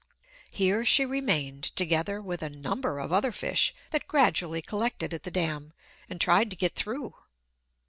Here she remained together with a number of other fish that gradually collected at the dam, and tried to get through.